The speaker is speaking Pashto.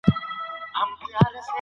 یوازې مړینه انسان له ټولو ناروغیو ژغوري.